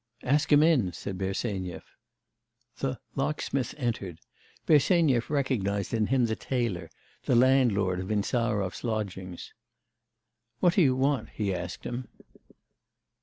'Ask him in,' said Bersenyev. The 'locksmith' entered. Bersenyev recognised in him the tailor, the landlord of Insarov's lodgings. 'What do you want?' he asked him.